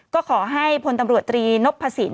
ก็ขอให้พตนนพศภูนิสวรรค์